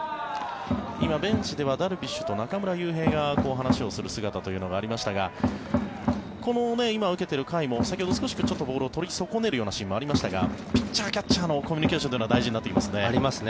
今、ベンチではダルビッシュと中村悠平が話をする姿がありましたがこの今、受けている甲斐も先ほどボールを取り損ねるようなシーンもありましたがピッチャー、キャッチャーのコミュニケーションというのはありますね。